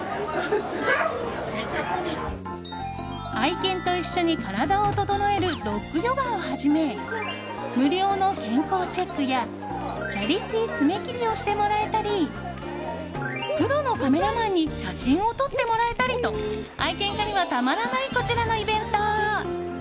愛犬と一緒に体を整えるドッグヨガをはじめ無料の健康チェックやチャリティー爪切りをしてもらえたりプロのカメラマンに写真を撮ってもらえたりと愛犬家にはたまらないこちらのイベント。